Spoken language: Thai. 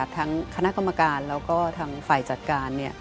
ทั้งคณะกรรมการแล้วก็ทางฝ่ายจัดการ